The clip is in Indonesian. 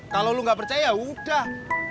kalau lo gak percaya ya udah